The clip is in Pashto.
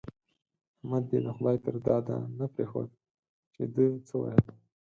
احمد دې د خدای تر داده نه پرېښود چې ده څه ويل.